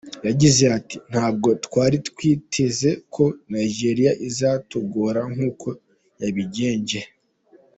Yagize ati “Ntabwo twari twiteze ko Nigeria izatugora nkuko yabigenje.